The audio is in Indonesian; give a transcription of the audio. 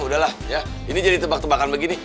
udah lah ini jadi tebak tebakan begini